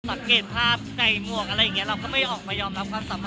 สังเกตภาพไก่หมวกอะไรอย่างนี้เราก็ไม่ออกมายอมรับความสามารถ